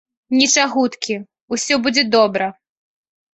Нічагуткі, усё будзе добра.